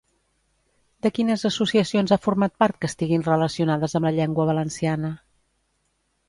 De quines associacions ha format part que estiguin relacionades amb la llengua valenciana?